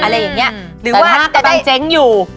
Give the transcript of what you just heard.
แต่ถ้ากำลังเจ๊งอยู่